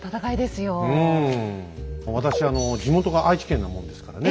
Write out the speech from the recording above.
私あの地元が愛知県なもんですからね